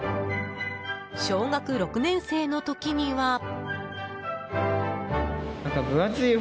小学６年生の時には。